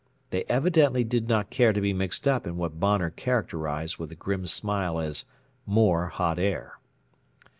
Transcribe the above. They evidently did not care to be mixed up in what Bonner characterized with a grim smile as "more hot air."